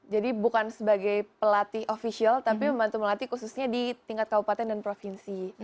jadi bukan sebagai pelatih official tapi membantu melatih khususnya di tingkat kabupaten dan provinsi